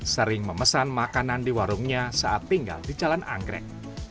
sering memesan makanan di warungnya saat tinggal di jalan anggrek